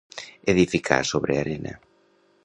Edificar sobre arena.